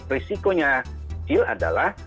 risikonya kecil adalah